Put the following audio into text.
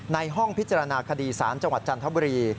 ในห้องพิจารณาคดีศาลจังหวัดจันทบุรี